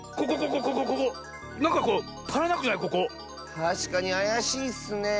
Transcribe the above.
たしかにあやしいッスねえ。